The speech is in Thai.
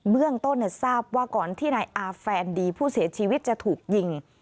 เรื่องต้นทราบว่าก่อนที่นายอาแฟนดีผู้เสียชีวิตจะถูกยิง